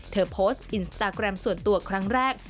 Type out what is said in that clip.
เธอโพสต์อินสตาแกรมส่วนตัวครั้งแรก